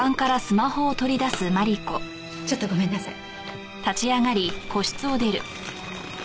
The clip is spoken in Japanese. ちょっとごめんなさい。